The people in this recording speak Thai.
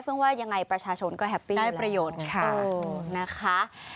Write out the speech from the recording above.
เพิ่มว่ายังไงประชาชนก็แฮปปี้อยู่แล้วได้ประโยชน์ค่ะ